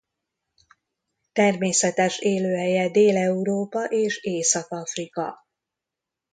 Természetes élőhelye Dél-Európa és Észak-Afrika.